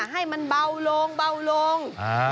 ให้มันเบาลง